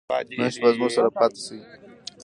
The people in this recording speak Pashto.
نن شپه زموږ سره پاته سئ.